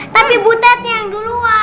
tapi butet yang duluan